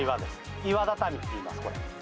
岩畳っていいます、これ。